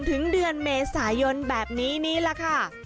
ถึงเดือนเมษายนแบบนี้นี่แหละค่ะ